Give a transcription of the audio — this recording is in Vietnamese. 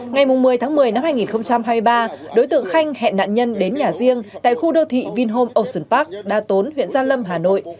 ngày một mươi tháng một mươi năm hai nghìn hai mươi ba đối tượng khanh hẹn nạn nhân đến nhà riêng tại khu đô thị vinhome ocean park đa tốn huyện gia lâm hà nội